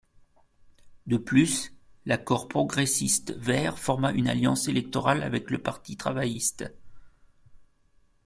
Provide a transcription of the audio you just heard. De plus, l'Accord progressiste vert forma une alliance électorale avec le Parti travailliste.